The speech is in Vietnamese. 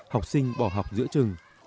học sinh bỏ học giữa trường